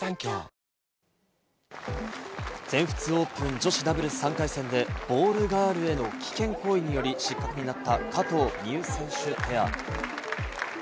全仏オープン女子ダブルス３回戦で、ボールガールへの危険行為により失格になった加藤未唯選手ペア。